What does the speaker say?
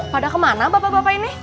pada kemana bapak bapak ini